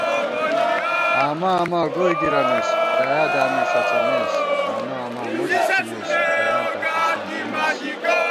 آمہ آما گوئی گِرَمېس بۡلیایا دامی ݭڅِمېس * تانُوآما مُرُچ تھِمېس بېرانتاں تُوسنکِمېس